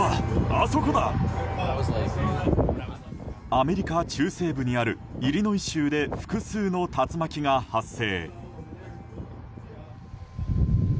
アメリカ中西部にあるイリノイ州で複数の竜巻が発生。